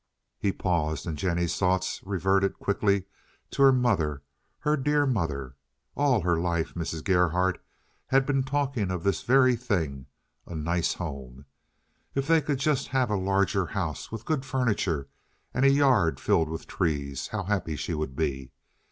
He paused, and Jennie's thoughts reverted quickly to her mother, her dear mother. All her life long Mrs. Gerhardt had been talking of this very thing—a nice home. If they could just have a larger house, with good furniture and a yard filled with trees, how happy she would be.